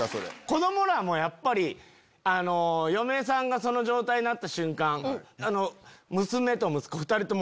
子供らもやっぱり嫁さんがその状態になった瞬間。